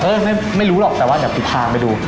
ไม่รู้หรอกแต่ว่าเดี๋ยวกูพาไปดู